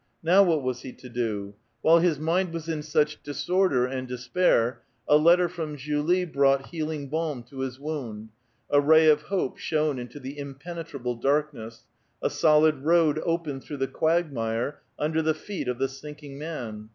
Now what was he to do? While liis miud was iu such disorder and despau*, a letter from Julie brought heuliug balm to his wound; a ray of lioi)e shone into the impenetrable darkness ; a solid road opened through the quagjnire under the feet of the sinking man.